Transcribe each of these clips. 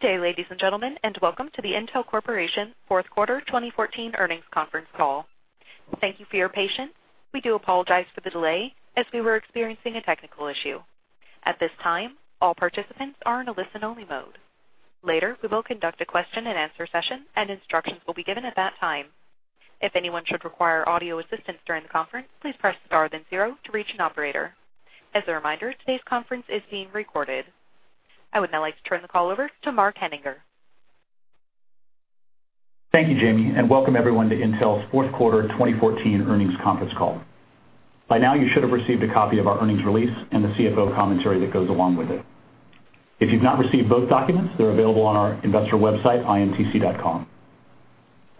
Good day, ladies and gentlemen, and welcome to the Intel Corporation fourth quarter 2014 earnings conference call. Thank you for your patience. We do apologize for the delay, as we were experiencing a technical issue. At this time, all participants are in a listen-only mode. Later, we will conduct a question and answer session, and instructions will be given at that time. If anyone should require audio assistance during the conference, please press star then zero to reach an operator. As a reminder, today's conference is being recorded. I would now like to turn the call over to Mark Henninger. Thank you, Jamie, and welcome everyone to Intel's fourth quarter 2014 earnings conference call. By now you should have received a copy of our earnings release and the CFO commentary that goes along with it. If you've not received both documents, they're available on our investor website, intc.com.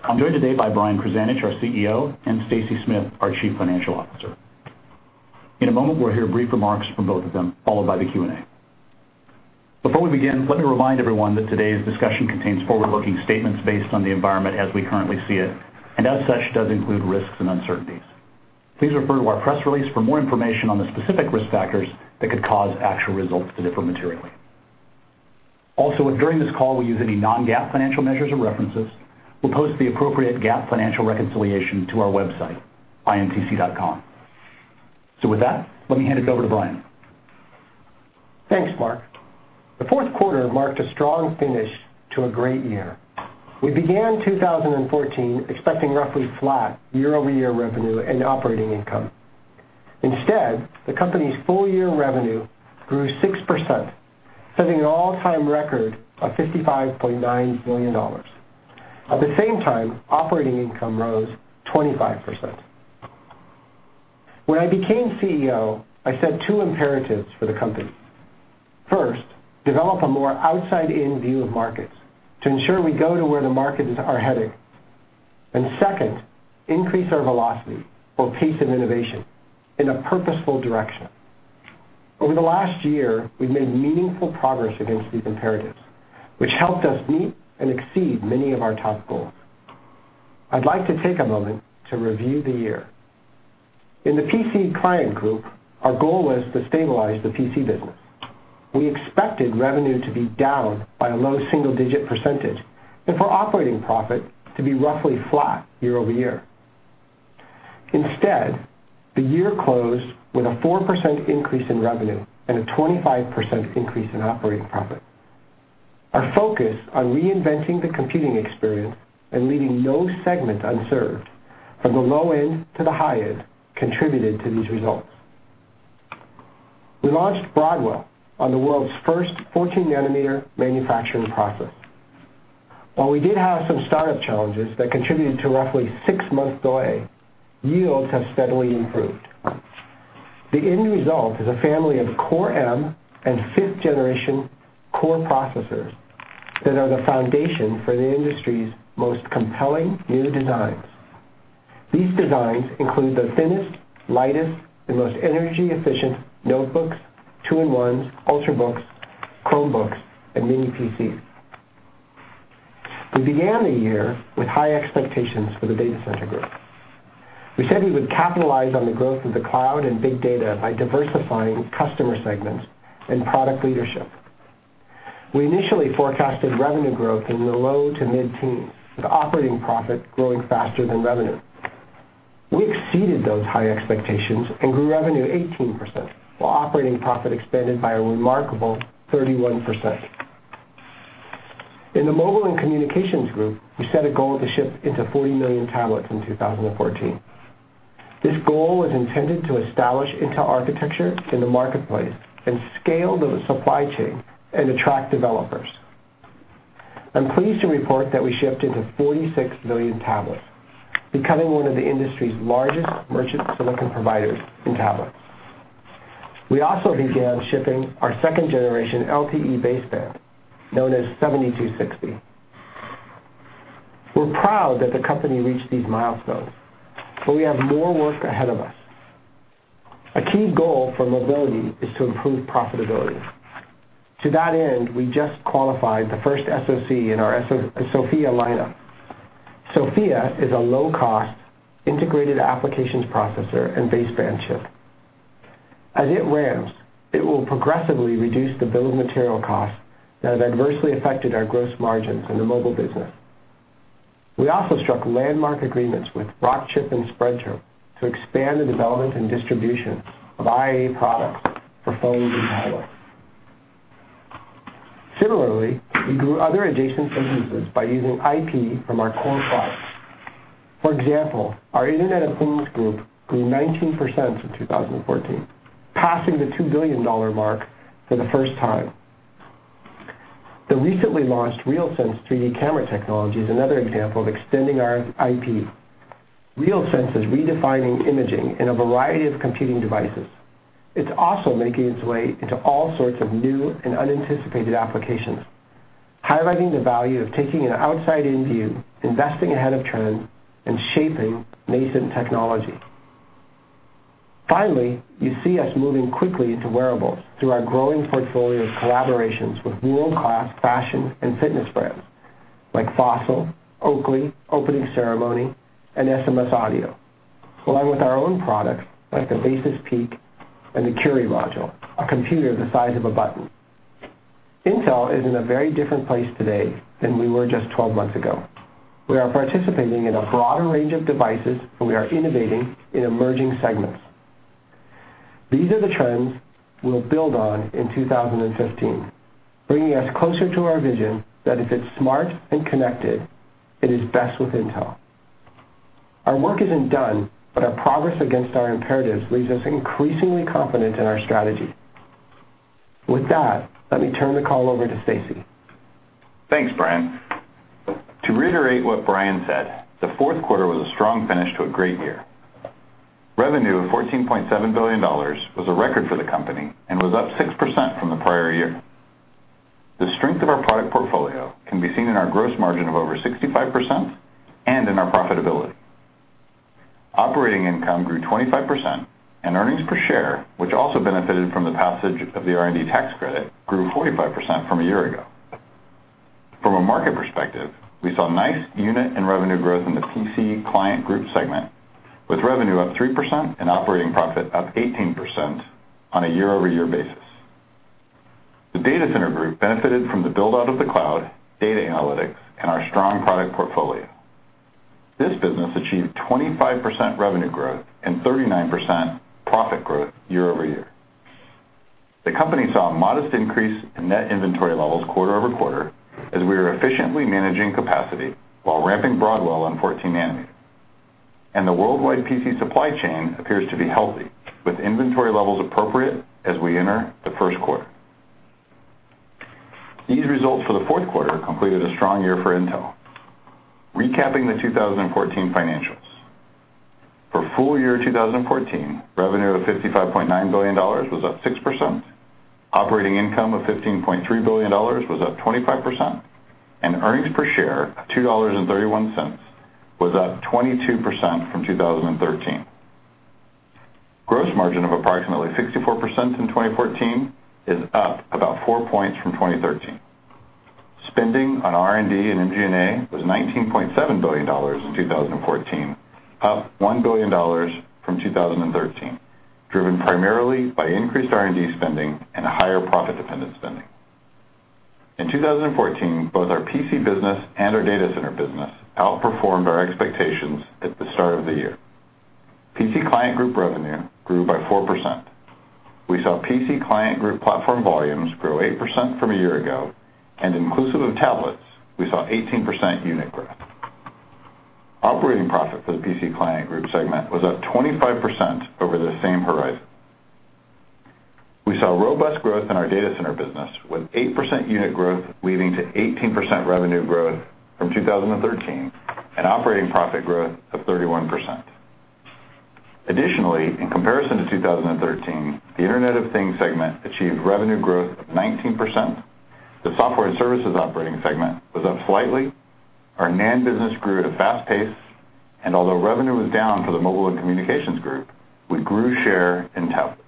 I'm joined today by Brian Krzanich, our CEO, and Stacy Smith, our Chief Financial Officer. In a moment, we'll hear brief remarks from both of them, followed by the Q&A. Before we begin, let me remind everyone that today's discussion contains forward-looking statements based on the environment as we currently see it, and as such, does include risks and uncertainties. Please refer to our press release for more information on the specific risk factors that could cause actual results to differ materially. Also, if during this call we use any non-GAAP financial measures or references, we'll post the appropriate GAAP financial reconciliation to our website, intc.com. With that, let me hand it over to Brian. Thanks, Mark. The fourth quarter marked a strong finish to a great year. We began 2014 expecting roughly flat year-over-year revenue and operating income. Instead, the company's full-year revenue grew 6%, setting an all-time record of $55.9 billion. At the same time, operating income rose 25%. When I became CEO, I set two imperatives for the company. First, develop a more outside-in view of markets to ensure we go to where the markets are heading. Second, increase our velocity or pace of innovation in a purposeful direction. Over the last year, we've made meaningful progress against these imperatives, which helped us meet and exceed many of our top goals. I'd like to take a moment to review the year. In the PC Client Group, our goal was to stabilize the PC business. We expected revenue to be down by a low single-digit % and for operating profit to be roughly flat year-over-year. Instead, the year closed with a 4% increase in revenue and a 25% increase in operating profit. Our focus on reinventing the computing experience and leaving no segment unserved, from the low end to the high end, contributed to these results. We launched Broadwell on the world's first 14-nanometer manufacturing process. While we did have some startup challenges that contributed to a roughly six-month delay, yields have steadily improved. The end result is a family of Core M and 5th Generation Core processors that are the foundation for the industry's most compelling new designs. These designs include the thinnest, lightest, and most energy-efficient notebooks, two-in-ones, Ultrabooks, Chromebooks, and mini PCs. We began the year with high expectations for the Data Center Group. We said we would capitalize on the growth of the cloud and big data by diversifying customer segments and product leadership. We initially forecasted revenue growth in the low to mid-teens, with operating profit growing faster than revenue. We exceeded those high expectations and grew revenue 18%, while operating profit expanded by a remarkable 31%. In the Mobile and Communications Group, we set a goal to ship into 40 million tablets in 2014. This goal was intended to establish Intel Architecture in the marketplace and scale the supply chain and attract developers. I'm pleased to report that we shipped into 46 million tablets, becoming one of the industry's largest merchant silicon providers in tablets. We also began shipping our second-generation LTE baseband, known as 7260. We're proud that the company reached these milestones, we have more work ahead of us. A key goal for mobility is to improve profitability. To that end, we just qualified the first SoC in our SoFIA lineup. SoFIA is a low-cost integrated applications processor and baseband chip. As it ramps, it will progressively reduce the bill of material costs that have adversely affected our gross margins in the mobile business. We also struck landmark agreements with Rockchip and Spreadtrum to expand the development and distribution of IA products for phones and tablets. Similarly, we grew other adjacent businesses by using IP from our core products. For example, our Internet of Things Group grew 19% in 2014, passing the $2 billion mark for the first time. The recently launched RealSense 3D camera technology is another example of extending our IP. RealSense is redefining imaging in a variety of computing devices. It's also making its way into all sorts of new and unanticipated applications, highlighting the value of taking an outside-in view, investing ahead of trends, and shaping nascent technology. You see us moving quickly into wearables through our growing portfolio of collaborations with world-class fashion and fitness brands. Like Fossil, Oakley, Opening Ceremony, and SMS Audio, along with our own products, like the Basis Peak and the Curie Module, a computer the size of a button. Intel is in a very different place today than we were just 12 months ago. We are participating in a broader range of devices, we are innovating in emerging segments. These are the trends we'll build on in 2015, bringing us closer to our vision that if it's smart and connected, it is best with Intel. Our work isn't done, our progress against our imperatives leaves us increasingly confident in our strategy. With that, let me turn the call over to Stacy. Thanks, Brian. To reiterate what Brian said, the fourth quarter was a strong finish to a great year. Revenue of $14.7 billion was a record for the company and was up 6% from the prior year. The strength of our product portfolio can be seen in our gross margin of over 65% and in our profitability. Operating income grew 25%, and earnings per share, which also benefited from the passage of the R&D tax credit, grew 45% from a year ago. From a market perspective, we saw nice unit and revenue growth in the PC Client Group segment, with revenue up 3% and operating profit up 18% on a year-over-year basis. The Data Center Group benefited from the build-out of the cloud, data analytics, and our strong product portfolio. This business achieved 25% revenue growth and 39% profit growth year-over-year. The company saw a modest increase in net inventory levels quarter-over-quarter as we are efficiently managing capacity while ramping Broadwell on 14 nanometer. The worldwide PC supply chain appears to be healthy, with inventory levels appropriate as we enter the first quarter. These results for the fourth quarter completed a strong year for Intel. Recapping the 2014 financials. For full year 2014, revenue of $55.9 billion was up 6%, operating income of $15.3 billion was up 25%, and earnings per share of $2.31 was up 22% from 2013. Gross margin of approximately 64% in 2014 is up about four points from 2013. Spending on R&D and MG&A was $19.7 billion in 2014, up $1 billion from 2013, driven primarily by increased R&D spending and a higher profit-dependent spending. In 2014, both our PC business and our data center business outperformed our expectations at the start of the year. PC Client Group revenue grew by 4%. We saw PC Client Group platform volumes grow 8% from a year ago, and inclusive of tablets, we saw 18% unit growth. Operating profit for the PC Client Group segment was up 25% over the same horizon. We saw robust growth in our data center business, with 8% unit growth leading to 18% revenue growth from 2013 and operating profit growth of 31%. Additionally, in comparison to 2013, the Internet of Things segment achieved revenue growth of 19%, the Software and Services operating segment was up slightly, our NAND business grew at a fast pace, and although revenue was down for the Mobile and Communications Group, we grew share in tablets.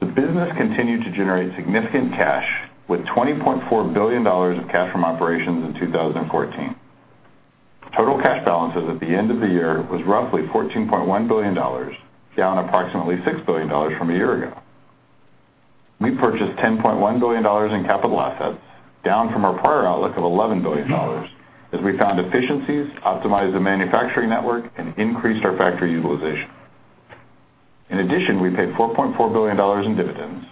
The business continued to generate significant cash, with $20.4 billion of cash from operations in 2014. Total cash balances at the end of the year was roughly $14.1 billion, down approximately $6 billion from a year ago. We purchased $10.1 billion in capital assets, down from our prior outlook of $11 billion, as we found efficiencies, optimized the manufacturing network, and increased our factory utilization. In addition, we paid $4.4 billion in dividends.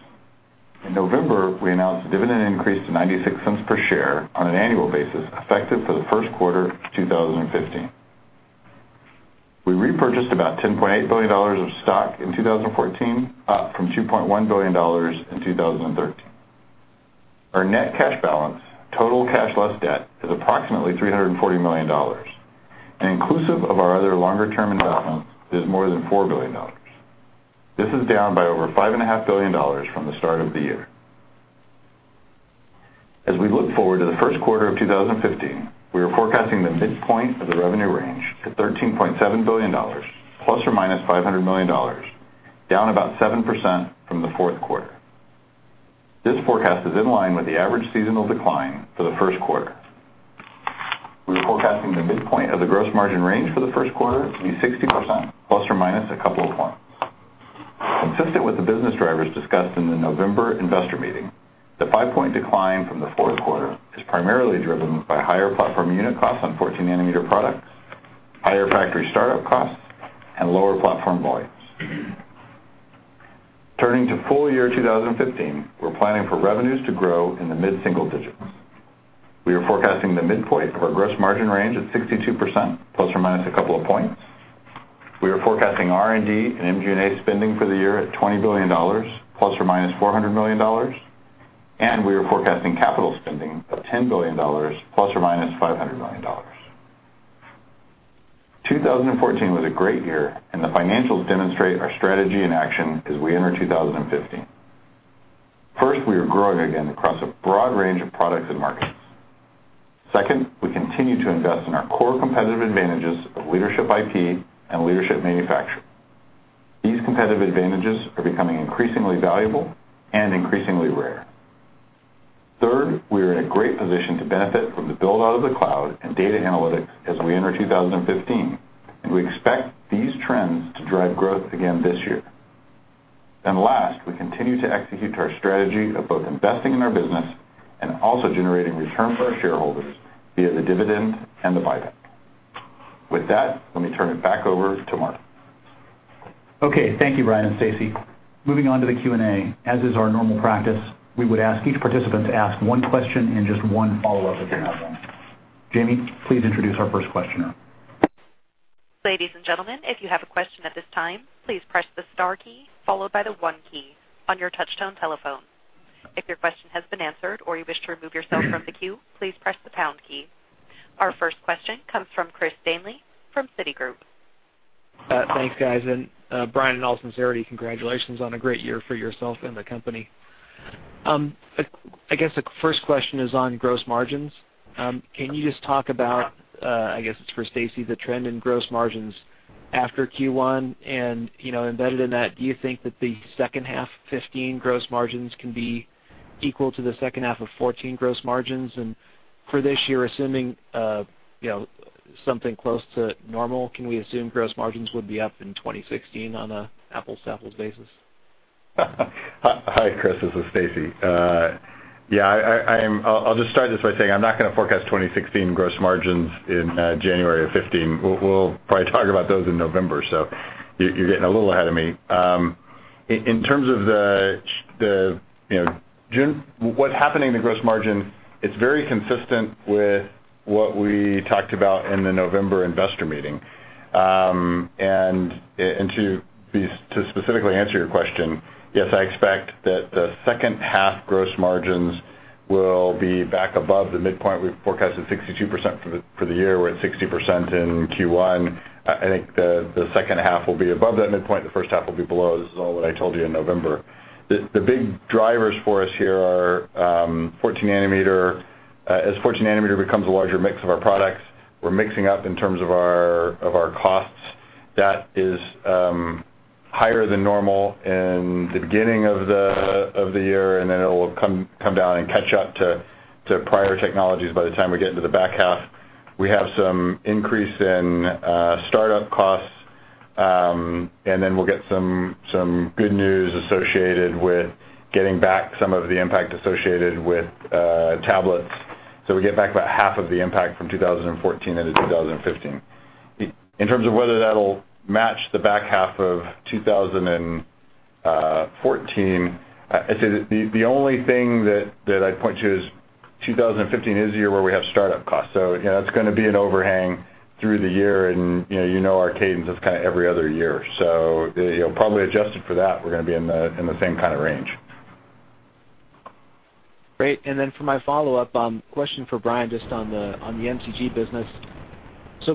In November, we announced a dividend increase to $0.96 per share on an annual basis, effective for the first quarter of 2015. We repurchased about $10.8 billion of stock in 2014, up from $2.1 billion in 2013. Our net cash balance, total cash less debt, is approximately $340 million, and inclusive of our other longer-term investments, is more than $4 billion. This is down by over $5.5 billion from the start of the year. As we look forward to the first quarter of 2015, we are forecasting the midpoint of the revenue range to $13.7 billion, ±$500 million, down about 7% from the fourth quarter. This forecast is in line with the average seasonal decline for the first quarter. We are forecasting the midpoint of the gross margin range for the first quarter to be 60%, ± a couple of points. Consistent with the business drivers discussed in the November investor meeting, the five-point decline from the fourth quarter is primarily driven by higher platform unit costs on 14 nanometer products, higher factory startup costs, and lower platform volumes. Turning to full year 2015, we are planning for revenues to grow in the mid-single digits. We are forecasting the midpoint of our gross margin range at 62%, ± a couple of points. We are forecasting R&D and MG&A spending for the year at $20 billion, ±$400 million, and we are forecasting capital spending of $10 billion, ±$500 million. 2014 was a great year, and the financials demonstrate our strategy in action as we enter 2015. First, we are growing again across a broad range of products and markets. Second, we continue to invest in our core competitive advantages of leadership IP and leadership manufacturing. These competitive advantages are becoming increasingly valuable and increasingly rare. Third, we are in a great position to benefit from the build-out of the cloud and data analytics as we enter 2015, and we expect these trends to drive growth again this year. Last, we continue to execute our strategy of both investing in our business and also generating return for our shareholders via the dividend and the buyback. With that, let me turn it back over to Mark. Okay. Thank you, Brian and Stacy. Moving on to the Q&A. As is our normal practice, we would ask each participant to ask one question and just one follow-up if you have one. Jamie, please introduce our first questioner. Ladies and gentlemen, if you have a question at this time, please press the star key followed by the one key on your touch-tone telephone. If your question has been answered or you wish to remove yourself from the queue, please press the pound key. Our first question comes from Chris Danely from Citigroup. Thanks, guys. Brian, in all sincerity, congratulations on a great year for yourself and the company. I guess the first question is on gross margins. Can you just talk about, I guess it's for Stacy, the trend in gross margins after Q1 and embedded in that, do you think that the second half 2015 gross margins can be equal to the second half of 2014 gross margins? For this year, assuming something close to normal, can we assume gross margins would be up in 2016 on an apples to apples basis? Hi, Chris. This is Stacy. Yeah. I'll just start this by saying I'm not going to forecast 2016 gross margins in January of 2015. We'll probably talk about those in November. You're getting a little ahead of me. In terms of what's happening in the gross margin, it's very consistent with what we talked about in the November investor meeting. To specifically answer your question, yes, I expect that the second half gross margins will be back above the midpoint. We've forecasted 62% for the year. We're at 60% in Q1. I think the second half will be above that midpoint, the first half will be below it. This is all what I told you in November. The big drivers for us here are as 14 nanometer becomes a larger mix of our products, we're mixing up in terms of our costs. That is higher than normal in the beginning of the year, then it'll come down and catch up to prior technologies by the time we get into the back half. We have some increase in startup costs, then we'll get some good news associated with getting back some of the impact associated with tablets. We get back about half of the impact from 2014 into 2015. In terms of whether that'll match the back half of 2014, I'd say that the only thing that I'd point to is 2015 is a year where we have startup costs. It's going to be an overhang through the year, and you know our cadence is kind of every other year. Probably adjusted for that, we're going to be in the same kind of range. Great. For my follow-up, question for Brian, just on the MCG business.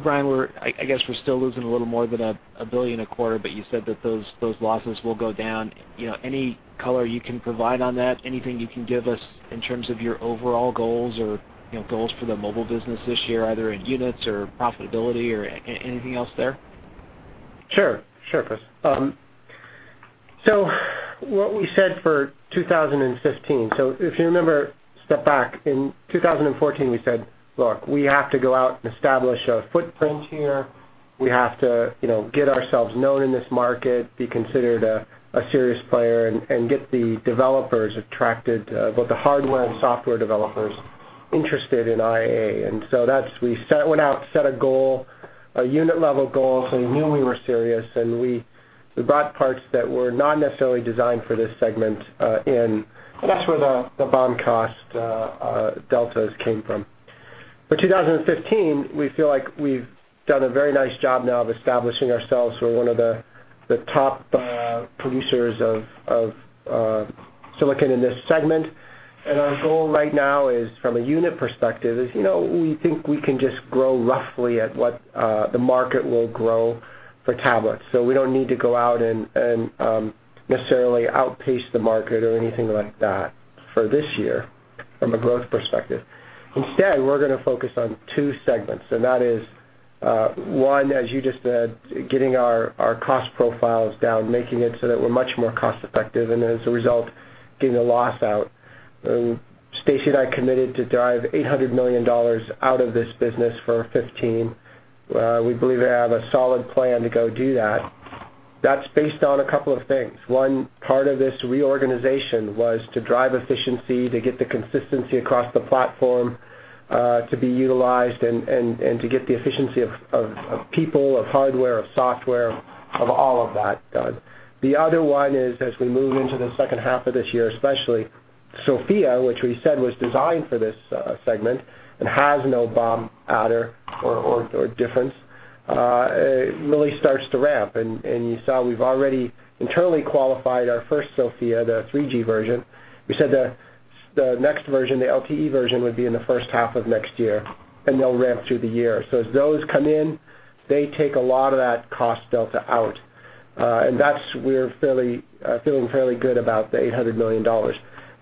Brian, I guess we're still losing a little more than $1 billion a quarter, but you said that those losses will go down. Any color you can provide on that? Anything you can give us in terms of your overall goals or goals for the mobile business this year, either in units or profitability or anything else there? Sure, Chris. What we said for 2015, if you remember, step back, in 2014, we said, look, we have to go out and establish a footprint here. We have to get ourselves known in this market, be considered a serious player, and get the developers attracted, both the hardware and software developers interested in IA. We went out, set a goal, a unit level goal, so we knew we were serious, and we bought parts that were not necessarily designed for this segment in, and that's where the BOM cost deltas came from. For 2015, we feel like we've done a very nice job now of establishing ourselves. We're one of the top producers of silicon in this segment, and our goal right now from a unit perspective is, we think we can just grow roughly at what the market will grow for tablets. We don't need to go out and necessarily outpace the market or anything like that for this year from a growth perspective. Instead, we're going to focus on two segments, and that is, one, as you just said, getting our cost profiles down, making it so that we're much more cost effective, and as a result, getting the loss out. Stacy and I committed to drive $800 million out of this business for 2015. We believe we have a solid plan to go do that. That's based on a couple of things. One part of this reorganization was to drive efficiency, to get the consistency across the platform, to be utilized and to get the efficiency of people, of hardware, of software, of all of that done. The other one is as we move into the second half of this year, especially SoFIA, which we said was designed for this segment and has no BOM adder or difference, really starts to ramp. You saw we've already internally qualified our first SoFIA, the 3G version. We said the next version, the LTE version, would be in the first half of next year, and they'll ramp through the year. As those come in, they take a lot of that cost delta out. That's why we're feeling fairly good about the $800 million.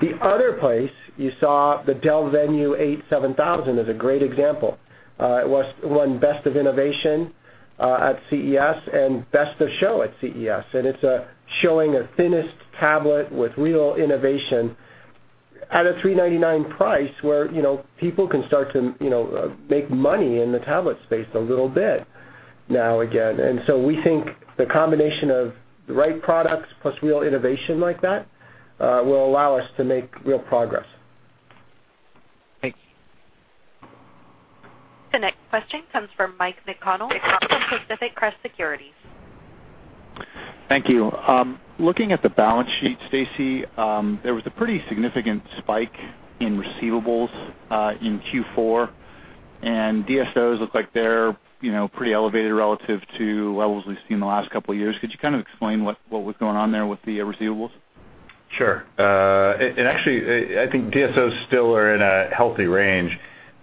The other place you saw the Dell Venue 8 7000 is a great example. It won Best of Innovation at CES and Best of Show at CES, it's showing a thinnest tablet with real innovation at a $399 price where people can start to make money in the tablet space a little bit now again. We think the combination of the right products plus real innovation like that will allow us to make real progress. Thank you. The next question comes from Mike McConnell from Pacific Crest Securities. Thank you. Looking at the balance sheet, Stacy, there was a pretty significant spike in receivables in Q4, and DSO look like they're pretty elevated relative to levels we've seen in the last couple of years. Could you kind of explain what was going on there with the receivables? Sure. Actually, I think DSO still are in a healthy range,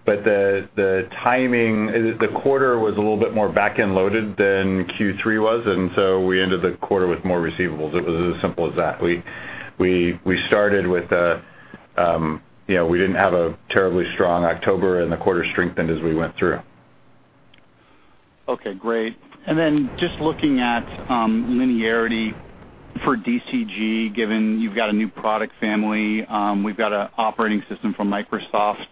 but the timing, the quarter was a little bit more back-end loaded than Q3 was, and so we ended the quarter with more receivables. It was as simple as that. We didn't have a terribly strong October, and the quarter strengthened as we went through. Okay, great. Then just looking at linearity for DCG, given you've got a new product family, we've got an operating system from Microsoft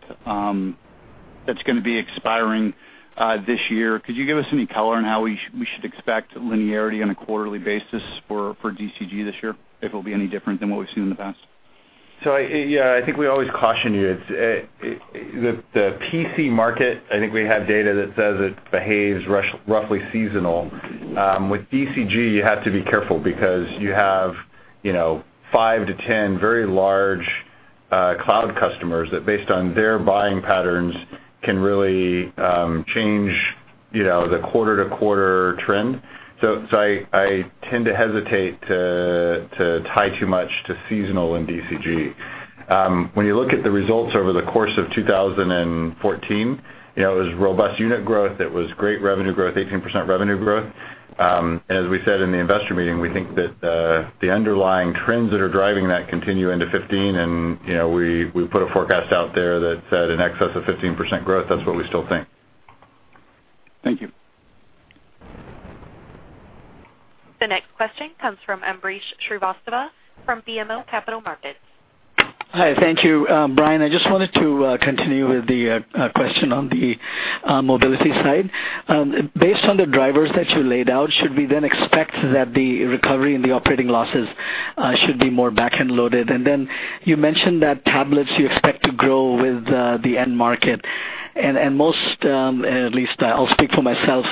that's going to be expiring this year. Could you give us any color on how we should expect linearity on a quarterly basis for DCG this year, if it'll be any different than what we've seen in the past? I think we always caution you. The PC market, I think we have data that says it behaves roughly seasonal. With DCG, you have to be careful because you have five to 10 very large cloud customers that, based on their buying patterns, can really change the quarter-to-quarter trend. I tend to hesitate to tie too much to seasonal in DCG. When you look at the results over the course of 2014, it was robust unit growth. It was great revenue growth, 18% revenue growth. As we said in the investor meeting, we think that the underlying trends that are driving that continue into 2015, and we put a forecast out there that said in excess of 15% growth. That's what we still think. Thank you. The next question comes from Ambrish Srivastava from BMO Capital Markets. Hi, thank you. Brian, I just wanted to continue with the question on the mobility side. Based on the drivers that you laid out, should we then expect that the recovery in the operating losses should be more back-end loaded? You mentioned that tablets you expect to grow with the end market, and most, at least I'll speak for myself,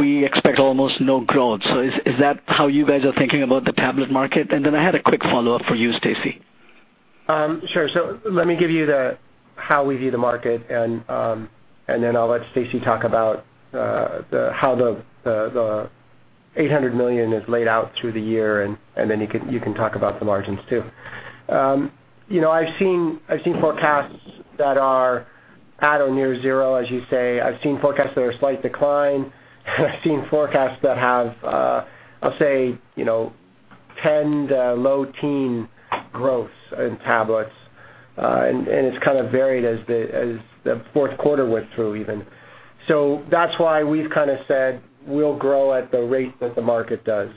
we expect almost no growth. Is that how you guys are thinking about the tablet market? I had a quick follow-up for you, Stacy. Sure. Let me give you how we view the market, and then I'll let Stacy talk about how the $800 million is laid out through the year, and then you can talk about the margins, too. I've seen forecasts that are at or near zero, as you say. I've seen forecasts that are a slight decline, and I've seen forecasts that have, I'll say, 10 to low teen growth in tablets, and it's kind of varied as the fourth quarter went through, even. That's why we've kind of said we'll grow at the rate that the market does.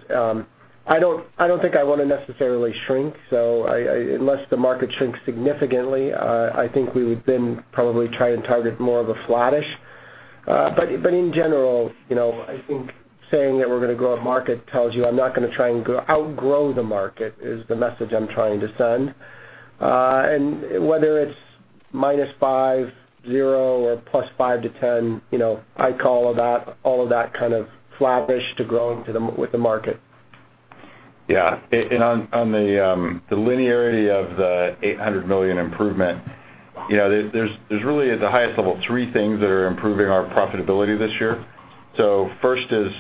I don't think I want to necessarily shrink, so unless the market shrinks significantly, I think we would then probably try and target more of a flattish. In general, I think saying that we're going to grow a market tells you I'm not going to try and outgrow the market, is the message I'm trying to send. Whether it's minus 5, zero, or plus 5 to 10, I'd call all of that kind of flattish to growing with the market. Yeah. On the linearity of the $800 million improvement, there's really, at the highest level, three things that are improving our profitability this year. First is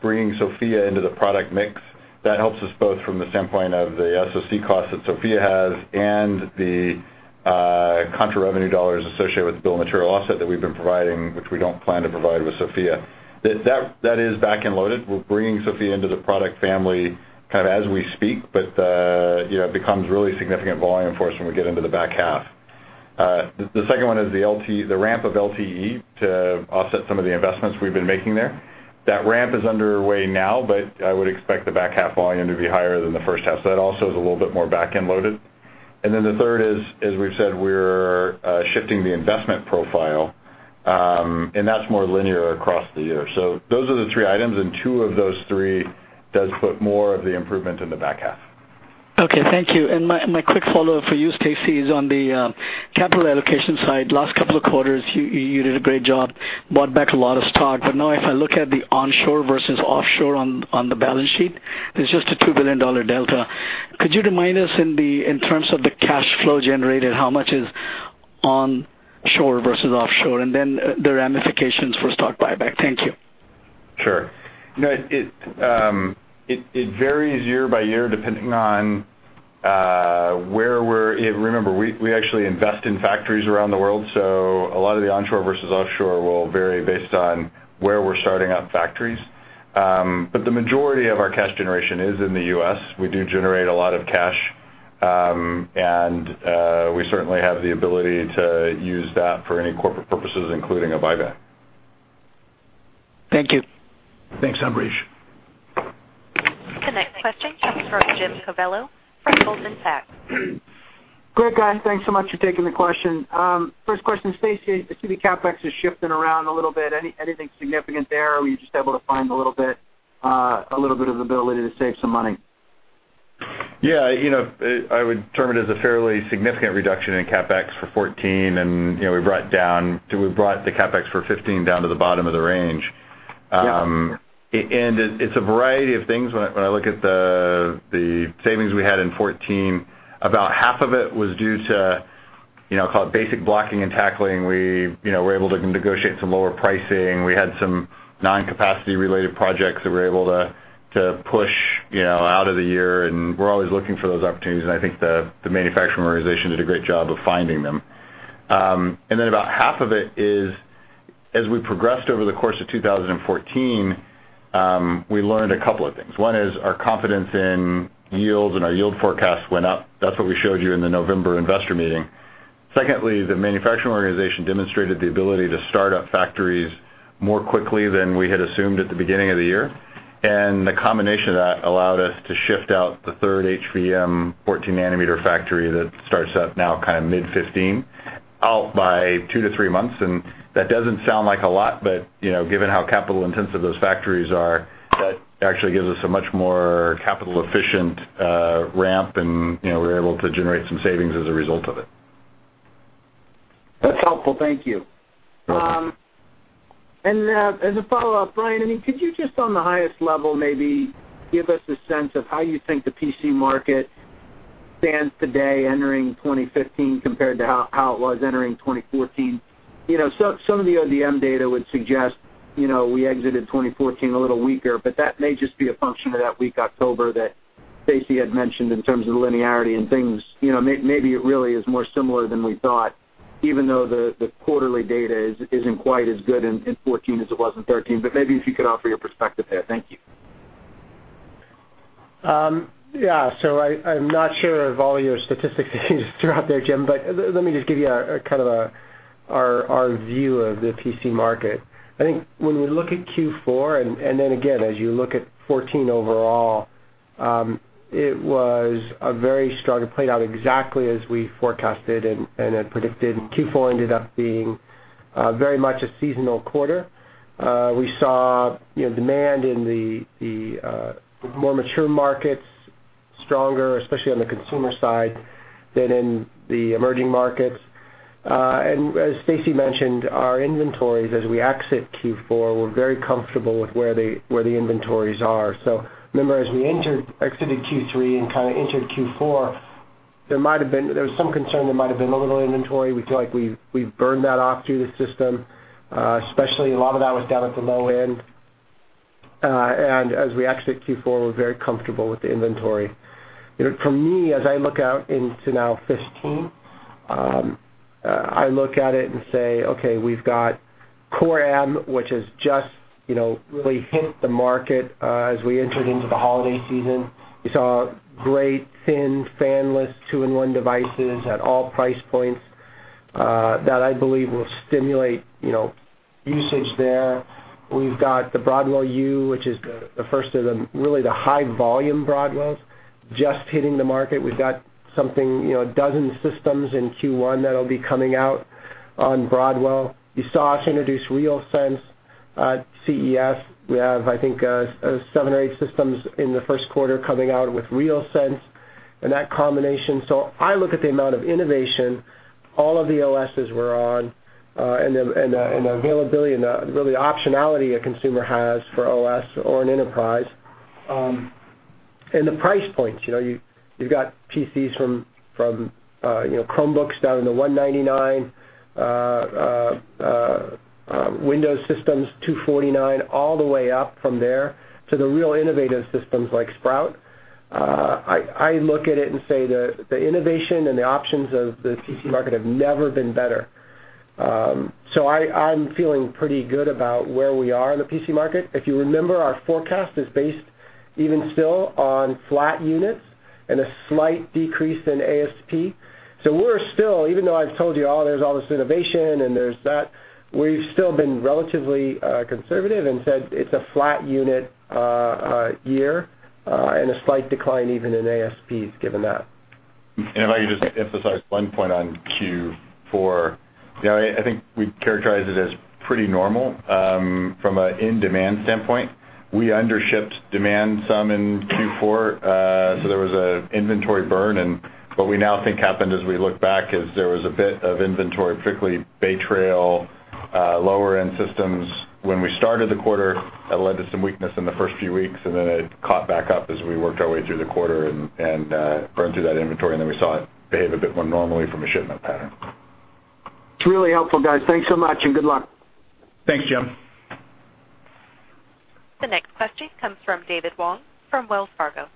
bringing SoFIA into the product mix. That helps us both from the standpoint of the SoC cost that SoFIA has and the contra revenue dollars associated with bill of material offset that we've been providing, which we don't plan to provide with SoFIA. That is back-end loaded. We're bringing SoFIA into the product family kind of as we speak, but it becomes really significant volume for us when we get into the back half. Second one is the ramp of LTE to offset some of the investments we've been making there. That ramp is underway now, but I would expect the back half volume to be higher than the first half, that also is a little bit more back-end loaded. The third is, as we've said, we're shifting the investment profile, that's more linear across the year. Those are the three items, two of those three does put more of the improvement in the back half. Okay. Thank you. My quick follow-up for you, Stacy, is on the capital allocation side. Last couple of quarters, you did a great job, bought back a lot of stock. Now if I look at the onshore versus offshore on the balance sheet, there's just a $2 billion delta. Could you remind us in terms of the cash flow generated, how much is onshore versus offshore, then the ramifications for stock buyback? Thank you. Sure. It varies year by year, depending on where we're. Remember, we actually invest in factories around the world, so a lot of the onshore versus offshore will vary based on where we're starting up factories. The majority of our cash generation is in the U.S. We do generate a lot of cash, and we certainly have the ability to use that for any corporate purposes, including a buyback. Thank you. Thanks, Ambrish. The next question comes from Jim Covello from Goldman Sachs. Great, guys. Thanks so much for taking the question. First question, Stacy, I see the CapEx is shifting around a little bit. Anything significant there, or were you just able to find a little bit of ability to save some money? Yeah. I would term it as a fairly significant reduction in CapEx for 2014. We brought the CapEx for 2015 down to the bottom of the range. Yeah. It's a variety of things. When I look at the savings we had in 2014, about half of it was due to, call it basic blocking and tackling. We were able to negotiate some lower pricing. We had some non-capacity related projects that we were able to push out of the year. We're always looking for those opportunities. I think the manufacturing organization did a great job of finding them. About half of it is, as we progressed over the course of 2014, we learned a couple of things. One is our confidence in yields and our yield forecasts went up. That's what we showed you in the November investor meeting. Secondly, the manufacturing organization demonstrated the ability to start up factories more quickly than we had assumed at the beginning of the year. The combination of that allowed us to shift out the third HVM 14 nanometer factory that starts up now mid 2015, out by two to three months. That doesn't sound like a lot, but given how capital intensive those factories are, that actually gives us a much more capital efficient ramp. We were able to generate some savings as a result of it. That's helpful. Thank you. You're welcome. As a follow-up, Brian, could you just on the highest level, maybe give us a sense of how you think the PC market stands today entering 2015 compared to how it was entering 2014? Some of the ODM data would suggest we exited 2014 a little weaker, but that may just be a function of that weak October that Stacy had mentioned in terms of the linearity and things. Maybe it really is more similar than we thought, even though the quarterly data isn't quite as good in 2014 as it was in 2013, but maybe if you could offer your perspective there. Thank you. Yeah. I'm not sure of all your statistics throughout there, Jamie, but let me just give you our view of the PC market. I think when we look at Q4, then again, as you look at 2014 overall, it was a very strong. It played out exactly as we forecasted and had predicted, Q4 ended up being very much a seasonal quarter. We saw demand in the more mature markets stronger, especially on the consumer side than in the emerging markets. As Stacy mentioned, our inventories as we exit Q4, we're very comfortable with where the inventories are. Remember, as we exited Q3 and entered Q4, there was some concern there might've been a little inventory. We feel like we've burned that off through the system. Especially a lot of that was down at the low end. As we exit Q4, we are very comfortable with the inventory. For me, as I look out into now 2015, I look at it and say, we have Core M, which has just really hit the market as we entered into the holiday season. We saw great thin fanless two-in-one devices at all price points, that I believe will stimulate usage there. We have the Broadwell-U, which is the first of really the high volume Broadwells just hitting the market. We have a dozen systems in Q1 that will be coming out on Broadwell. You saw us introduce RealSense at CES. We have, I think, seven or eight systems in the first quarter coming out with RealSense and that combination. I look at the amount of innovation, all of the OSs we are on, and the availability and really optionality a consumer has for OS or an enterprise. The price points. You have PCs from Chromebooks down to the $199, Windows systems $249, all the way up from there to the real innovative systems like Sprout. I look at it and say the innovation and the options of the PC market have never been better. I am feeling pretty good about where we are in the PC market. If you remember, our forecast is based even still on flat units and a slight decrease in ASP. We are still, even though I have told you, oh, there is all this innovation and there is that, we have still been relatively conservative and said it is a flat unit year, and a slight decline even in ASPs given that. If I could just emphasize one point on Q4. I think we would characterize it as pretty normal, from an in-demand standpoint. We undershipped demand some in Q4, so there was an inventory burn, and what we now think happened as we look back is there was a bit of inventory, particularly Bay Trail lower-end systems when we started the quarter that led to some weakness in the first few weeks, and then it caught back up as we worked our way through the quarter and burned through that inventory, and then we saw it behave a bit more normally from a shipment pattern. It is really helpful, guys. Thanks so much, and good luck. Thanks, Jim. The next question comes from David Wong from Wells Fargo.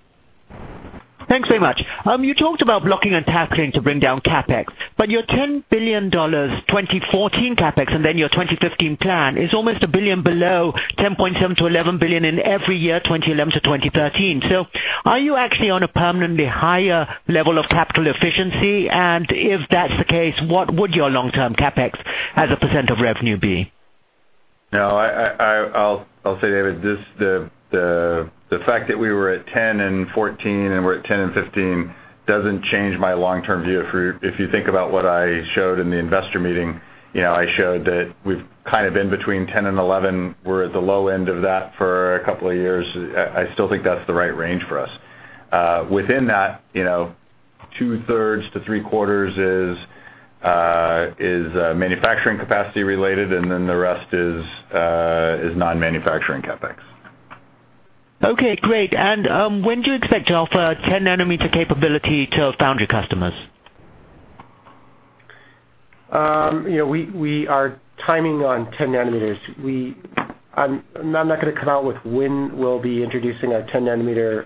Thanks very much. You talked about blocking and tackling to bring down CapEx. Your $10 billion 2014 CapEx, your 2015 plan is almost $1 billion below $10.7 billion-$11 billion in every year, 2011 to 2013. Are you actually on a permanently higher level of capital efficiency? If that's the case, what would your long-term CapEx as a % of revenue be? No, I'll say, David, the fact that we were at $10 billion in 2014 and we're at $10 billion in 2015 doesn't change my long-term view. If you think about what I showed in the investor meeting, I showed that we've kind of been between $10 billion and $11 billion. We're at the low end of that for a couple of years. I still think that's the right range for us. Within that, two-thirds to three-quarters is manufacturing capacity related, the rest is non-manufacturing CapEx. Okay, great. When do you expect to offer 10 nanometer capability to foundry customers? Our timing on 10 nanometers, I'm not going to come out with when we'll be introducing our 10 nanometer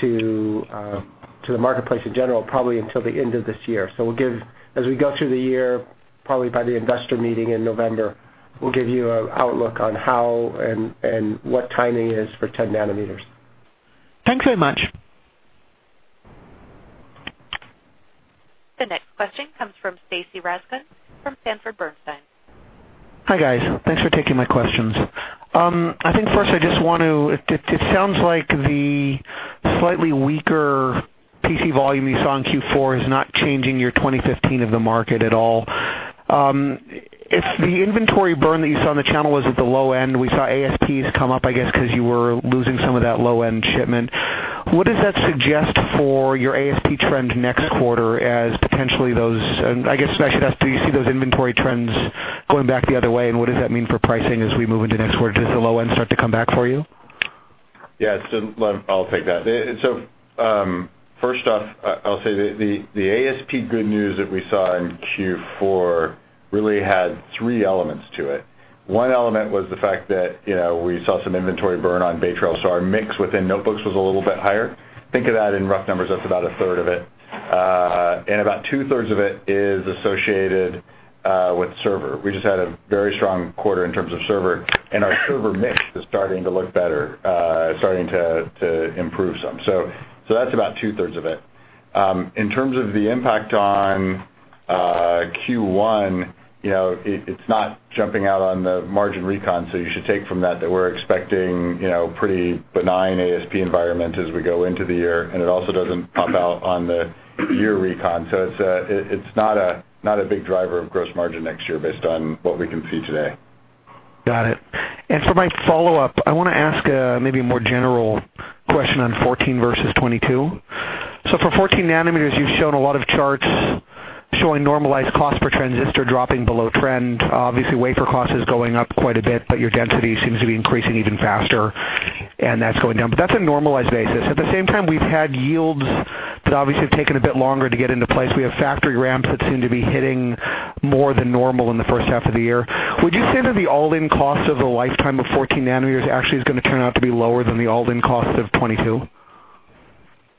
to the marketplace in general, probably until the end of this year. We'll give, as we go through the year, probably by the investor meeting in November, we'll give you an outlook on how and what timing is for 10 nanometers. Thanks very much. The next question comes from Stacy Rasgon from Sanford Bernstein. Hi, guys. Thanks for taking my questions. It sounds like the slightly weaker PC volume you saw in Q4 is not changing your 2015 of the market at all. If the inventory burn that you saw in the channel was at the low end, we saw ASPs come up, I guess, because you were losing some of that low-end shipment. What does that suggest for your ASP trend next quarter as potentially those, and I guess I should ask, do you see those inventory trends going back the other way, and what does that mean for pricing as we move into next quarter? Does the low end start to come back for you? Yeah, I'll take that. First off, I'll say the ASP good news that we saw in Q4 really had 3 elements to it. One element was the fact that we saw some inventory burn on Bay Trail, so our mix within notebooks was a little bit higher. Think of that in rough numbers, that's about a third of it. About two-thirds of it is associated with server. We just had a very strong quarter in terms of server, and our server mix is starting to look better, starting to improve some. That's about two-thirds of it. In terms of the impact on Q1, it's not jumping out on the margin recon, so you should take from that that we're expecting pretty benign ASP environment as we go into the year, and it also doesn't pop out on the year recon. It's not a big driver of gross margin next year based on what we can see today. Got it. For my follow-up, I want to ask maybe a more general question on 14 versus 22. For 14 nanometers, you've shown a lot of charts showing normalized cost per transistor dropping below trend. Obviously, wafer cost is going up quite a bit, but your density seems to be increasing even faster, and that's going down, but that's a normalized basis. At the same time, we've had yields that obviously have taken a bit longer to get into place. We have factory ramps that seem to be hitting more than normal in the first half of the year. Would you say that the all-in cost of the lifetime of 14 nanometers actually is going to turn out to be lower than the all-in cost of 22?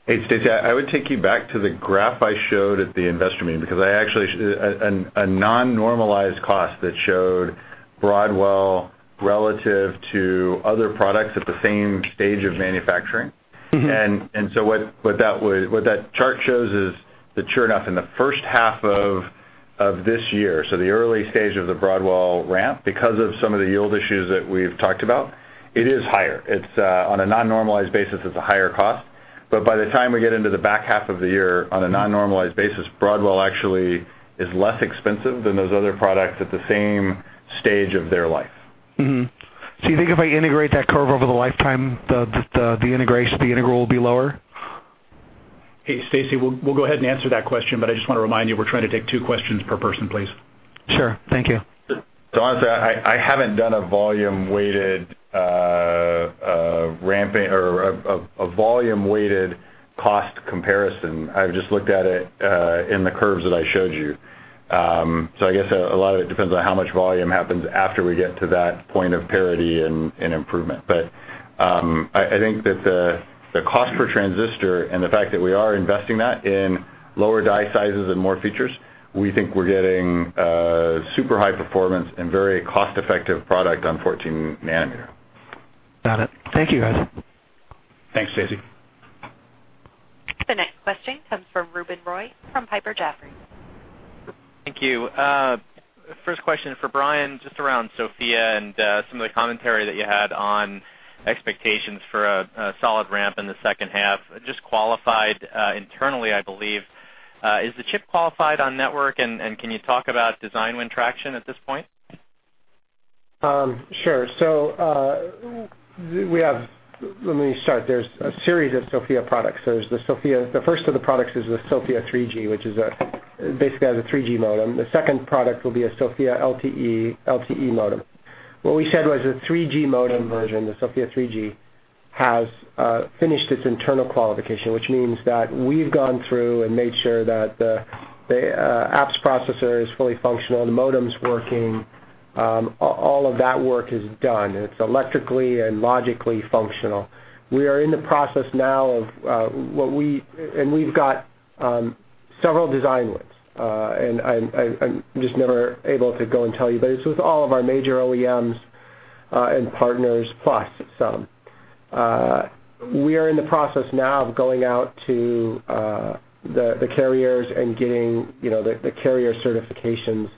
Hey, Stacy, I would take you back to the graph I showed at the investor meeting, a non-normalized cost that showed Broadwell relative to other products at the same stage of manufacturing. What that chart shows is that sure enough, in the first half of this year, so the early stage of the Broadwell ramp, because of some of the yield issues that we've talked about, it is higher. On a non-normalized basis, it's a higher cost. By the time we get into the back half of the year, on a non-normalized basis, Broadwell actually is less expensive than those other products at the same stage of their life. You think if I integrate that curve over the lifetime, the integral will be lower? Hey, Stacy, we'll go ahead and answer that question, but I just want to remind you, we're trying to take two questions per person, please. Sure. Thank you. Honestly, I haven't done a volume-weighted cost comparison. I've just looked at it in the curves that I showed you. I guess a lot of it depends on how much volume happens after we get to that point of parity and improvement. I think that the cost per transistor and the fact that we are investing that in lower die sizes and more features, we think we're getting super high performance and very cost-effective product on 14 nanometer. Got it. Thank you, guys. Thanks, Stacy. The next question comes from Ruben Roy from Piper Jaffray. Thank you. First question for Brian, just around SoFIA and some of the commentary that you had on expectations for a solid ramp in the second half. Just qualified internally, I believe. Is the chip qualified on network, and can you talk about design win traction at this point? Sure. Let me start. There is a series of SoFIA products. The first of the products is the SoFIA 3G, which basically has a 3G modem. The second product will be a SoFIA LTE modem. What we said was the 3G modem version, the SoFIA 3G, has finished its internal qualification, which means that we've gone through and made sure that the apps processor is fully functional, the modem's working. All of that work is done, and it's electrically and logically functional. We've got several design wins. I'm just never able to go and tell you, but it's with all of our major OEMs and partners plus some. We are in the process now of going out to the carriers and getting the carrier certifications.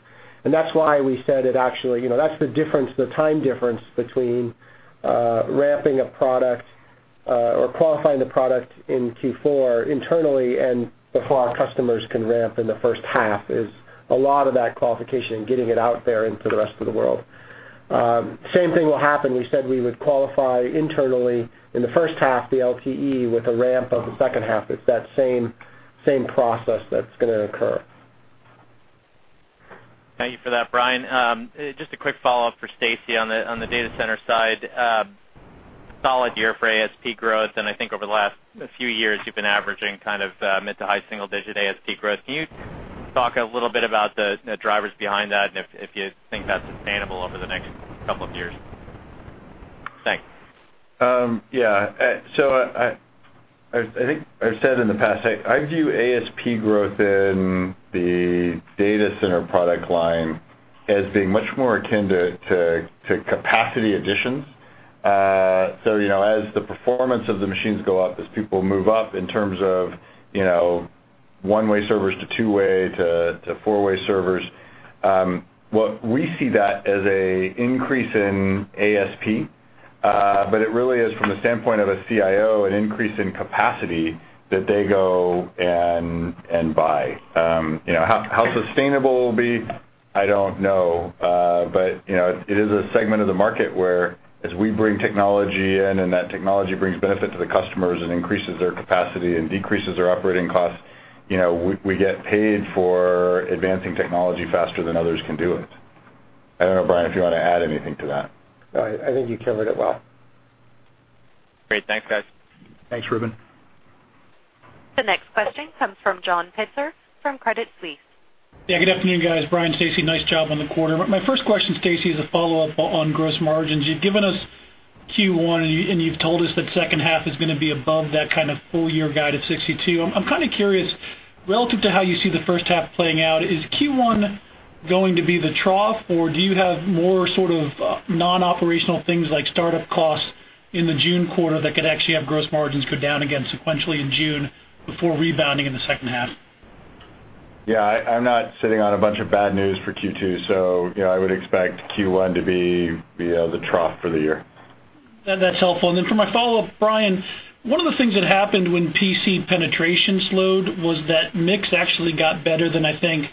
That's why we said it actually, that's the time difference between ramping a product or qualifying the product in Q4 internally and before our customers can ramp in the first half is a lot of that qualification and getting it out there into the rest of the world. Same thing will happen, we said we would qualify internally in the first half the LTE with a ramp of the second half. It's that same process that's going to occur. Thank you for that, Brian. Just a quick follow-up for Stacy on the data center side. Solid year for ASP growth, and I think over the last few years, you've been averaging mid to high single-digit ASP growth. Can you talk a little bit about the drivers behind that and if you think that's sustainable over the next couple of years? Thanks. Yeah. I think I've said in the past, I view ASP growth in the data center product line as being much more akin to capacity additions. As the performance of the machines go up, as people move up in terms of one-way servers to two-way to four-way servers, we see that as a increase in ASP. It really is from the standpoint of a CIO, an increase in capacity that they go and buy. How sustainable it will be, I don't know. It is a segment of the market where as we bring technology in and that technology brings benefit to the customers and increases their capacity and decreases their operating costs, we get paid for advancing technology faster than others can do it. I don't know, Brian, if you want to add anything to that. I think you covered it well. Great. Thanks, guys. Thanks, Ruben. The next question comes from John Pitzer from Credit Suisse. Yeah, good afternoon, guys. Brian, Stacy, nice job on the quarter. My first question, Stacy, is a follow-up on gross margins. You've given us Q1, and you've told us that second half is going to be above that kind of full-year guide of 62%. I'm kind of curious, relative to how you see the first half playing out, is Q1 going to be the trough, or do you have more sort of non-operational things like startup costs in the June quarter that could actually have gross margins go down again sequentially in June before rebounding in the second half? Yeah, I'm not sitting on a bunch of bad news for Q2. I would expect Q1 to be the trough for the year. That's helpful. Then for my follow-up, Brian, one of the things that happened when PC penetration slowed was that mix actually got better than I think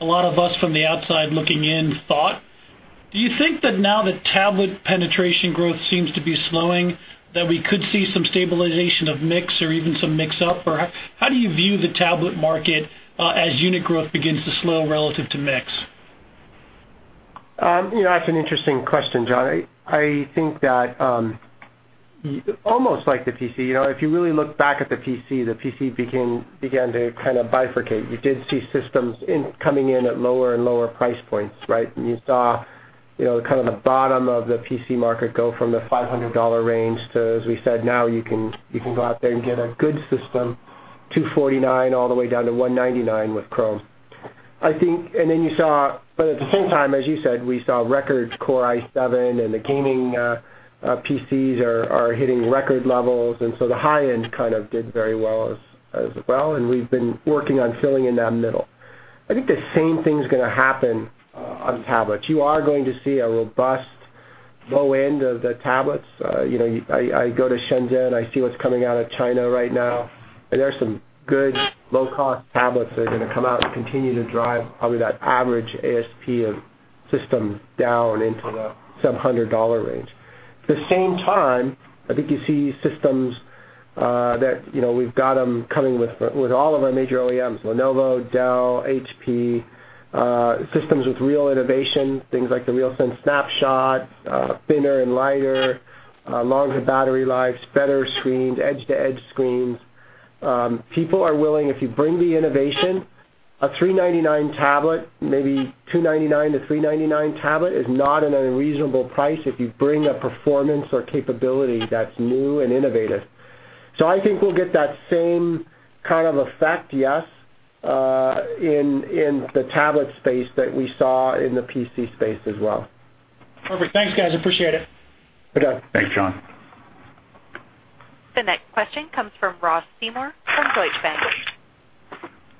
a lot of us from the outside looking in thought. Do you think that now that tablet penetration growth seems to be slowing, that we could see some stabilization of mix or even some mix-up? Or how do you view the tablet market as unit growth begins to slow relative to mix? That's an interesting question, John. I think that almost like the PC, if you really look back at the PC, the PC began to kind of bifurcate. You did see systems coming in at lower and lower price points, right? You saw the bottom of the PC market go from the $500 range to, as we said, now you can go out there and get a good system, $249 all the way down to $199 with Chrome. At the same time, as you said, we saw records Core i7 and the gaming PCs are hitting record levels, so the high end kind of did very well as well, and we've been working on filling in that middle. I think the same thing's going to happen on tablets. You are going to see a robust low end of the tablets. I go to Shenzhen, I see what's coming out of China right now, there are some good low-cost tablets that are going to come out and continue to drive probably that average ASP of systems down into the $700 range. At the same time, I think you see systems that we've got them coming with all of our major OEMs, Lenovo, Dell, HP, systems with real innovation, things like the RealSense Snapshot, thinner and lighter, longer battery lives, better screens, edge-to-edge screens. People are willing, if you bring the innovation, a $399 tablet, maybe $299-$399 tablet is not an unreasonable price if you bring a performance or capability that's new and innovative. I think we'll get that same kind of effect, yes, in the tablet space that we saw in the PC space as well. Perfect. Thanks, guys, appreciate it. Okay. Thanks, John. The next question comes from Ross Seymore from Deutsche Bank.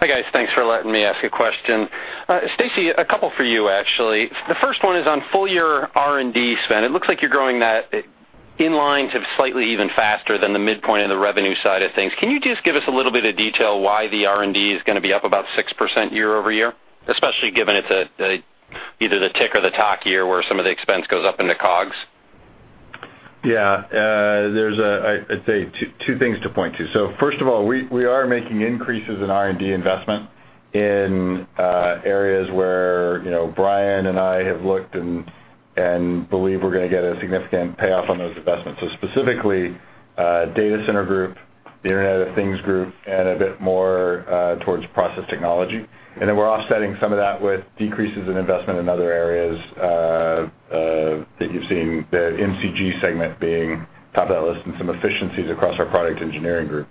Hi, guys. Thanks for letting me ask a question. Stacy, a couple for you, actually. The first one is on full-year R&D spend. It looks like you're growing that in line to slightly even faster than the midpoint of the revenue side of things. Can you just give us a little bit of detail why the R&D is going to be up about 6% year-over-year, especially given it's either the tick or the tock year where some of the expense goes up into COGS? Yeah. There's, I'd say, two things to point to. First of all, we are making increases in R&D investment in areas where Brian and I have looked and believe we're going to get a significant payoff on those investments. Specifically, Data Center Group, the Internet of Things Group, and a bit more towards process technology. Then we're offsetting some of that with decreases in investment in other areas that you've seen, the MCG segment being top of that list, and some efficiencies across our product engineering group.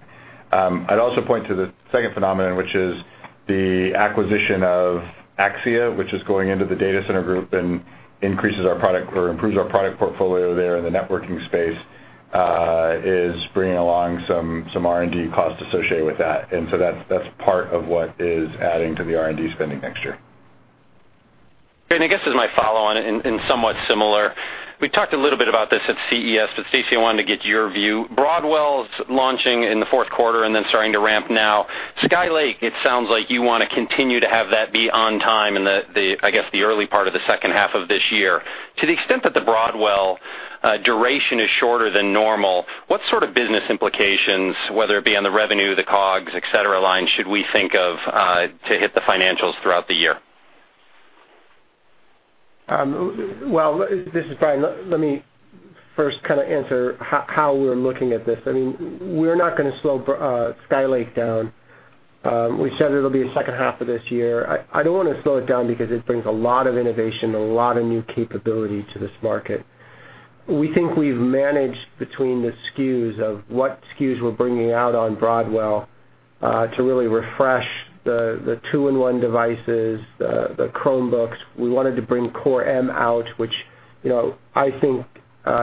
I'd also point to the second phenomenon, which is the acquisition of Axxia, which is going into the Data Center Group and improves our product portfolio there in the networking space, is bringing along some R&D costs associated with that. That's part of what is adding to the R&D spending next year. I guess as my follow-on and somewhat similar, we talked a little bit about this at CES, but Stacy, I wanted to get your view. Broadwell's launching in the fourth quarter and then starting to ramp now. Skylake, it sounds like you want to continue to have that be on time in, I guess, the early part of the second half of this year. To the extent that the Broadwell duration is shorter than normal, what sort of business implications, whether it be on the revenue, the COGS, et cetera, line, should we think of to hit the financials throughout the year? Well, this is Brian. Let me first answer how we're looking at this. We're not going to slow Skylake down. We said it'll be the second half of this year. I don't want to slow it down because it brings a lot of innovation, a lot of new capability to this market. We think we've managed between the SKUs of what SKUs we're bringing out on Broadwell to really refresh the two-in-one devices, the Chromebooks. We wanted to bring Core M out, which I think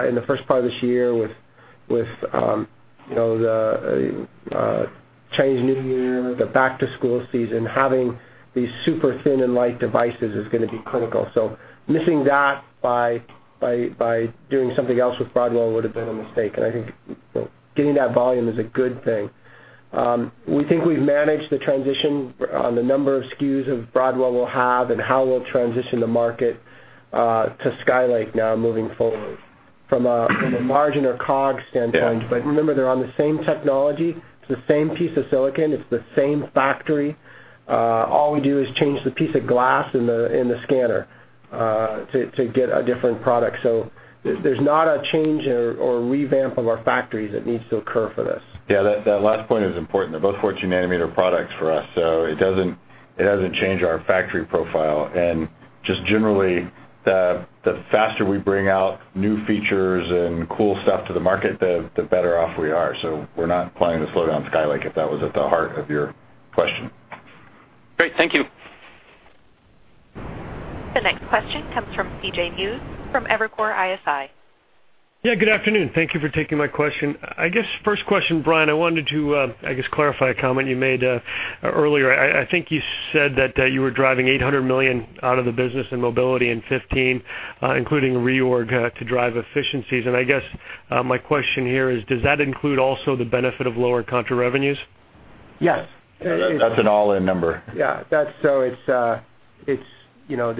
in the first part of this year with the Chinese New Year, the back-to-school season, having these super thin and light devices is going to be critical. Missing that by doing something else with Broadwell would've been a mistake, and I think getting that volume is a good thing. We think we've managed the transition on the number of SKUs of Broadwell we'll have and how we'll transition the market to Skylake now moving forward from a margin or COGS standpoint. Yeah. Remember, they're on the same technology. It's the same piece of silicon. It's the same factory. All we do is change the piece of glass in the scanner to get a different product. There's not a change or revamp of our factories that needs to occur for this. Yeah, that last point is important. They're both 14-nanometer products for us, so it doesn't change our factory profile. Just generally, the faster we bring out new features and cool stuff to the market, the better off we are. We're not planning to slow down Skylake, if that was at the heart of your question. Great. Thank you. The next question comes from CJ Muse from Evercore ISI. Yeah, good afternoon. Thank you for taking my question. I guess first question, Brian, I wanted to clarify a comment you made earlier. I think you said that you were driving $800 million out of the business in mobility in 2015, including reorg to drive efficiencies, and I guess my question here is, does that include also the benefit of lower contra revenues? Yes. That's an all-in number. Yeah. The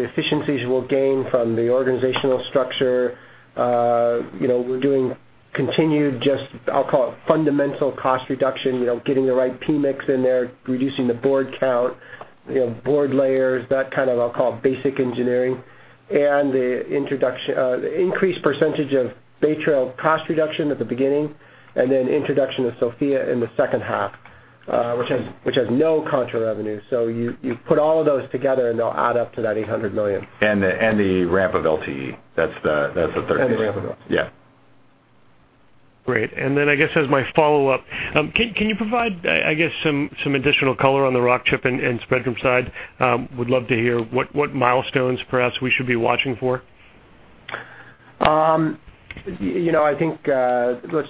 efficiencies we'll gain from the organizational structure, we're doing continued just, I'll call it fundamental cost reduction, getting the right P mix in there, reducing the board count, board layers, that kind of, I'll call it, basic engineering, the increased percentage of Bay Trail cost reduction at the beginning, then introduction of SoFIA in the second half, which has no contra revenue. You put all of those together, and they'll add up to that $800 million. The ramp of LTE. That's the third thing. The ramp of LTE. Yeah. Great. I guess as my follow-up, can you provide some additional color on the Rockchip and Spreadtrum side? Would love to hear what milestones perhaps we should be watching for. Let's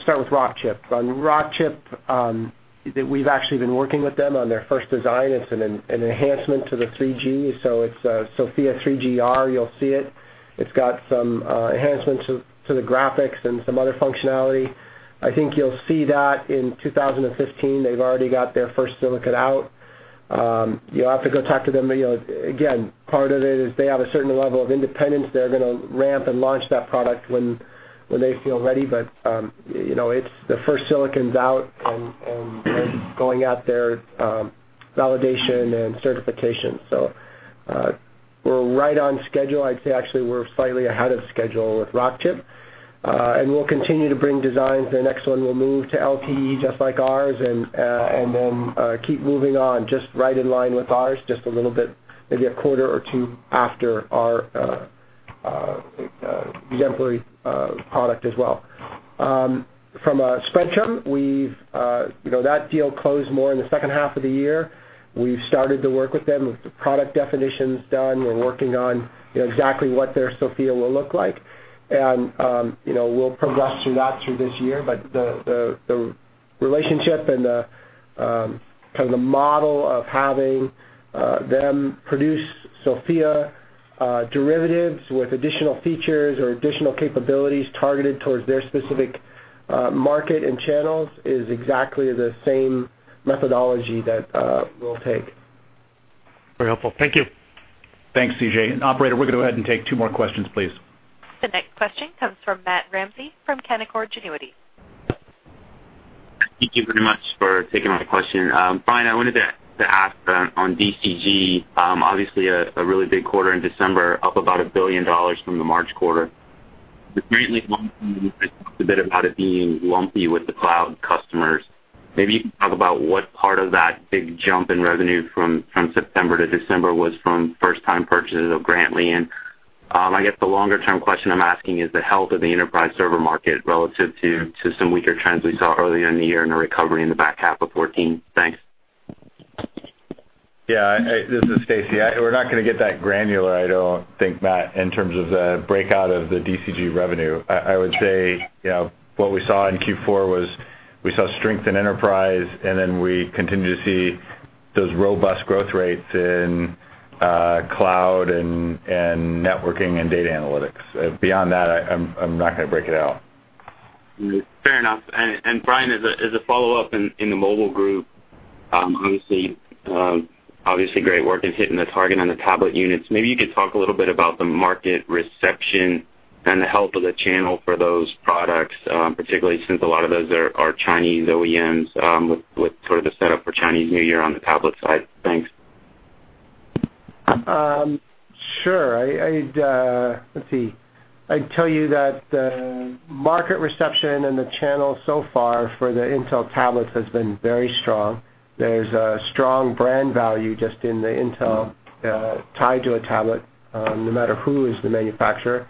start with Rockchip. On Rockchip, we've actually been working with them on their first design. It's an enhancement to the 3G, so it's SoFIA 3G-R. You'll see it. It's got some enhancements to the graphics and some other functionality. I think you'll see that in 2015. They've already got their first silicon out. You'll have to go talk to them. Again, part of it is they have a certain level of independence. They're going to ramp and launch that product when they feel ready. The first silicon's out, and they're going out their validation and certification. We're right on schedule. I'd say, actually, we're slightly ahead of schedule with Rockchip. We'll continue to bring designs. Their next one will move to LTE just like ours, then keep moving on, just right in line with ours, just a little bit, maybe a quarter or two after our exemplary product as well. From Spreadtrum, that deal closed more in the second half of the year. We've started to work with them, with the product definitions done. We're working on exactly what their SoFIA will look like. We'll progress through that through this year. The relationship and the model of having them produce SoFIA derivatives with additional features or additional capabilities targeted towards their specific market and channels is exactly the same methodology that we'll take. Very helpful. Thank you. Thanks, CJ. Operator, we're going to go ahead and take two more questions, please. The next question comes from Matt Ramsay from Canaccord Genuity. Thank you very much for taking my question. Brian, I wanted to ask on DCG, obviously a really big quarter in December, up about $1 billion from the March quarter. With Grantley, one thing you guys talked a bit about it being lumpy with the cloud customers. Maybe you can talk about what part of that big jump in revenue from September to December was from first-time purchases of Grantley, I guess the longer-term question I'm asking is the health of the enterprise server market relative to some weaker trends we saw earlier in the year and a recovery in the back half of 2014. Thanks. Yeah. This is Stacy. We're not going to get that granular, I don't think, Matt, in terms of the breakout of the DCG revenue. I would say what we saw in Q4 was we saw strength in enterprise, we continue to see those robust growth rates in cloud and networking and data analytics. Beyond that, I'm not going to break it out. Fair enough. Brian, as a follow-up, in the mobile group, obviously great work in hitting the target on the tablet units. Maybe you could talk a little bit about the market reception and the health of the channel for those products, particularly since a lot of those are Chinese OEMs, with sort of the setup for Chinese New Year on the tablet side. Thanks. Sure. Let's see. I'd tell you that the market reception and the channel so far for the Intel tablets has been very strong. There's a strong brand value just in the Intel tied to a tablet, no matter who is the manufacturer.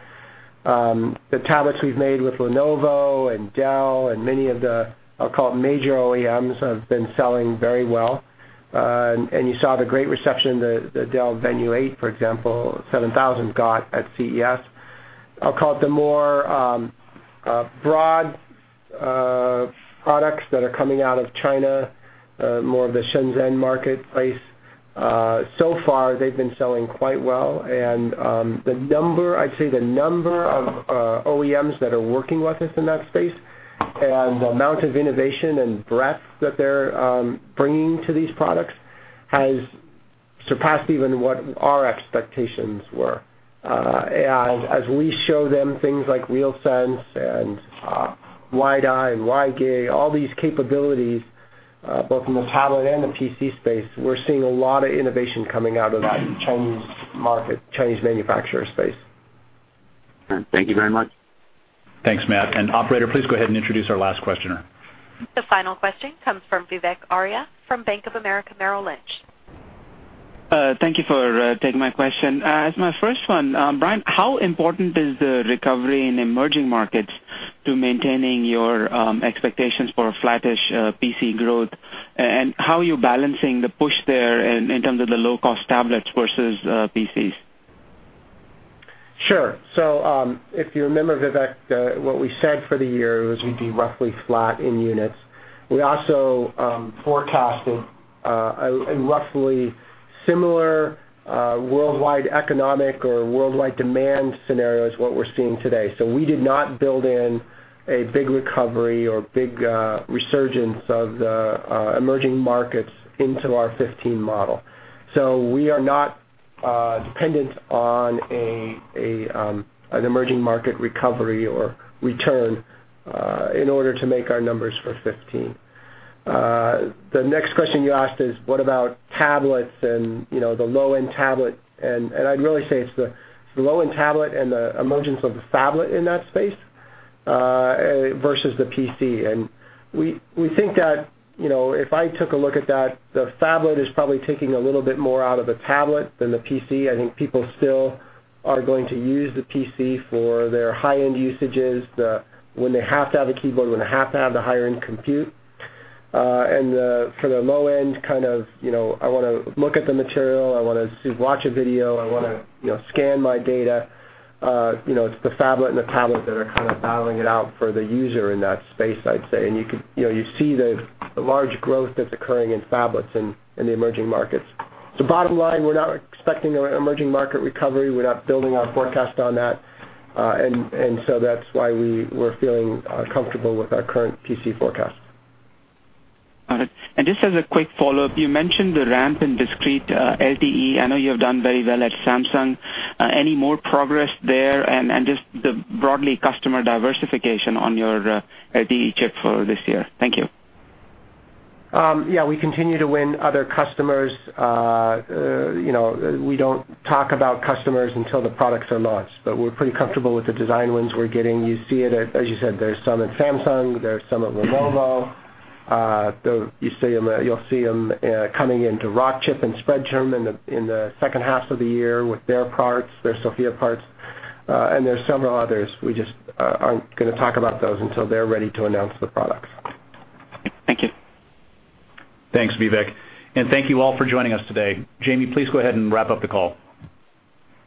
The tablets we've made with Lenovo and Dell and many of the, I'll call it major OEMs, have been selling very well. You saw the great reception, the Dell Venue 8 7000, for example, got at CES. I'll call it the more broad products that are coming out of China, more of the Shenzhen marketplace. So far, they've been selling quite well. I'd say the number of OEMs that are working with us in that space and the amount of innovation and breadth that they're bringing to these products has surpassed even what our expectations were. As we show them things like RealSense and WiDi and WiGig, all these capabilities, both in the tablet and the PC space, we're seeing a lot of innovation coming out of that Chinese market, Chinese manufacturer space. Thank you very much. Thanks, Matt, operator, please go ahead and introduce our last questioner. The final question comes from Vivek Arya from Bank of America Merrill Lynch. Thank you for taking my question. As my first one, Brian, how important is the recovery in emerging markets to maintaining your expectations for a flattish PC growth, and how are you balancing the push there in terms of the low-cost tablets versus PCs? Sure. If you remember, Vivek, what we said for the year was we'd be roughly flat in units. We also forecasted a roughly similar worldwide economic or worldwide demand scenario as what we're seeing today. We did not build in a big recovery or big resurgence of the emerging markets into our 2015 model. We are not dependent on an emerging market recovery or return in order to make our numbers for 2015. The next question you asked is, what about tablets and the low-end tablet, and I'd really say it's the low-end tablet and the emergence of the phablet in that space versus the PC. We think that, if I took a look at that, the phablet is probably taking a little bit more out of the tablet than the PC. I think people still are going to use the PC for their high-end usages, when they have to have the keyboard, when they have to have the higher-end compute. For the low end, I want to look at the material, I want to watch a video, I want to scan my data, it's the phablet and the tablet that are kind of battling it out for the user in that space, I'd say. You see the large growth that's occurring in phablets in the emerging markets. Bottom line, we're not expecting an emerging market recovery. We're not building our forecast on that. That's why we're feeling comfortable with our current PC forecast. Got it. Just as a quick follow-up, you mentioned the ramp in discrete LTE. I know you have done very well at Samsung. Any more progress there, and just the broadly customer diversification on your LTE chip for this year? Thank you. Yeah, we continue to win other customers. We don't talk about customers until the products are launched, but we're pretty comfortable with the design wins we're getting. You see it, as you said, there's some at Samsung, there's some at Lenovo. You'll see them coming into Rockchip and Spreadtrum in the second half of the year with their parts, their SoFIA parts. There's several others. We just aren't going to talk about those until they're ready to announce the products. Thank you. Thanks, Vivek. Thank you all for joining us today. Jamie, please go ahead and wrap up the call.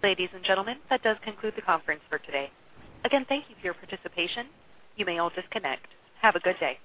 Ladies and gentlemen, that does conclude the conference for today. Again, thank you for your participation. You may all disconnect. Have a good day.